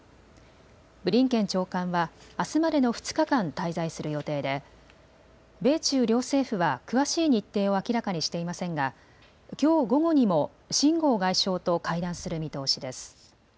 ブリンケン長官は、あすまでの２日間、滞在する予定で米中両政府は詳しい日程を明らかにしていませんがきょう午後にも秦剛外相と会談する見通しです。